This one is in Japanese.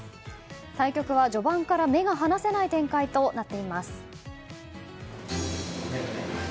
対局は序盤から目が離せない展開となっています。